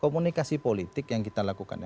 komunikasi politik yang kita lakukan